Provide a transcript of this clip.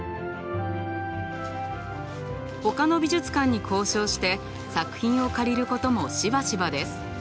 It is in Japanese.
ほかの美術館に交渉して作品を借りることもしばしばです。